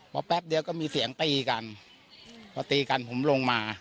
พอแป๊บเดียวก็มีเสียงตีกันพอตีกันผมลงมา